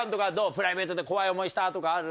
プライベートで怖い思いしたとかある？